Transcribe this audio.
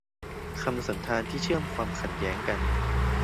คำสันธานที่เชื่อมความข้ดแย้งกัน